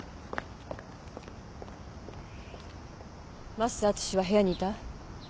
升瀬淳史は部屋にいた？